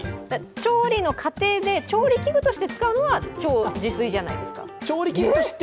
調理の過程で、調理器具として使うのは自炊じゃないですか。